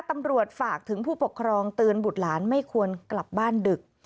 ตำรวจฝากถึงผู้ปกครองเตือนบุตรหลานไม่ควรกลับบ้านดึก